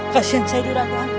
kasian saya di ratuang